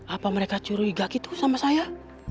apa mereka curiga gitu sama saya